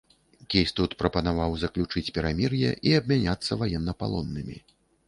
Кейстут прапанаваў заключыць перамір'е і абмяняцца ваеннапалоннымі.